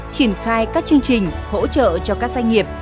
triển khai các chương trình hỗ trợ cho các doanh nghiệp